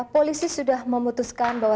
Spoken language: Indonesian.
polisi sudah memutuskan bahwa